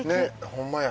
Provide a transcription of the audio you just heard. ほんまや。